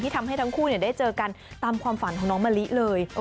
ทำให้ทั้งคู่ได้เจอกันตามความฝันของน้องมะลิเลย